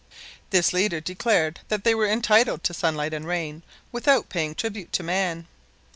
This leader declared that they were entitled to sunlight and rain without paying tribute to man.